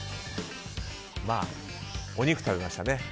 まあ、お肉食べましたね。